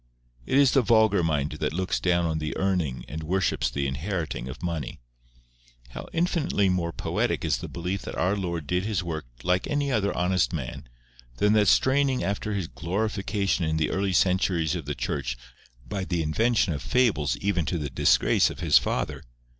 It is the vulgar mind that looks down on the earning and worships the inheriting of money. How infinitely more poetic is the belief that our Lord did His work like any other honest man, than that straining after His glorification in the early centuries of the Church by the invention of fables even to the disgrace of his father!